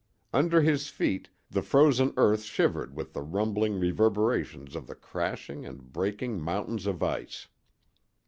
Under his feet the frozen earth shivered with the rumbling reverberations of the crashing and breaking mountains of ice.